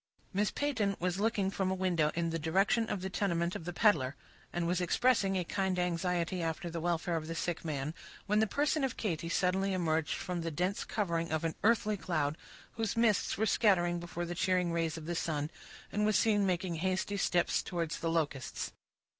Miss Peyton was looking from a window in the direction of the tenement of the peddler, and was expressing a kind anxiety after the welfare of the sick man, when the person of Katy suddenly emerged from the dense covering of an earthly cloud, whose mists were scattering before the cheering rays of the sun, and was seen making hasty steps towards the Locusts.